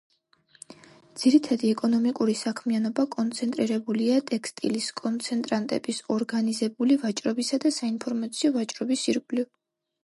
ძირითადი ეკონომიკური საქმიანობა კონცენტრირებულია ტექსტილის, კონცენტრატების, ორგანიზებული ვაჭრობისა და საინფორმაციო ვაჭრობის ირგვლივ.